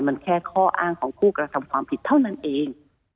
มันแค่ข้ออ้างของผู้กระทำความผิดเท่านั้นเอง